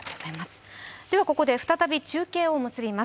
ここで再び中継を結びます。